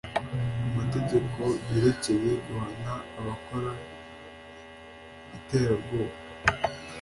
amategeko yerekeye guhana abakora iterabwoba